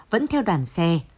vẫn theo đàn xe